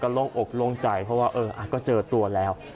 โล่งอกโล่งใจเพราะว่าก็เจอตัวแล้ว